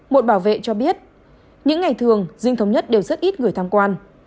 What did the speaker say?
một bảo vệ cho biết những ngày thường dinh thống nhất đều rất ít người tham quan